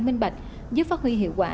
minh bạch giúp phát huy hiệu quả